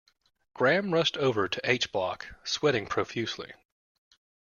Graham rushed over to H block, sweating profusely.